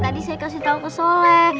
tadi saya kasih tau ke solek